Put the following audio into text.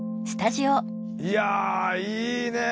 いやいいね。